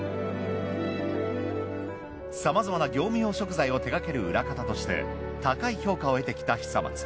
さまざまな業務用食材を手がける裏方として高い評価を得てきた久松。